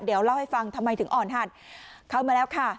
เดี๋ยวเล่าให้ฟังทำไมถึงอ่อนหัดเข้ามาแล้วค่ะ